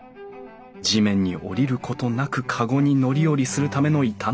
地面に降りることなくかごに乗り降りするための板の間。